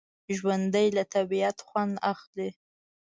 ژوندي له طبعیت خوند اخلي